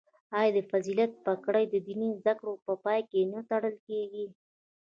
آیا د فضیلت پګړۍ د دیني زده کړو په پای کې نه تړل کیږي؟